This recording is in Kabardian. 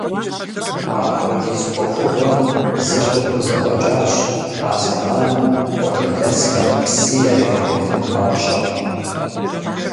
Апхуэдиз ӏуэхугъуэ зы лӏым хузэфӏэкӏащ а зэманым, къуажэдэсхэм псы яригъэгъуэтын папщӏэ.